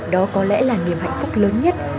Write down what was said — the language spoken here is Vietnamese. đó có lẽ là niềm hạnh phúc lớn nhất